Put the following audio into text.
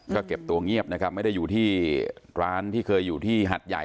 ก็เก็บตัวเงียบนะครับไม่ได้อยู่ที่ร้านที่เคยอยู่ที่หัดใหญ่